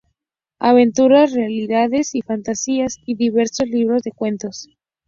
Aventuras, realidades y fantasías" y diversos libros de cuentos.